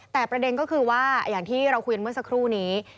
แต่ประเด็นก็คือว่าอย่างที่เราคุยกันเมื่อสักครู่นี้